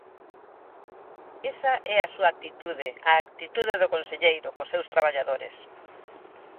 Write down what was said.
Esa é a súa actitude, a actitude do conselleiro, cos seus traballadores.